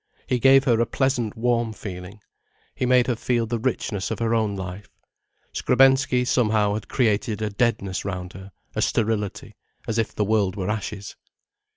He gave her a pleasant warm feeling. He made her feel the richness of her own life. Skrebensky, somehow, had created a deadness round her, a sterility, as if the world were ashes.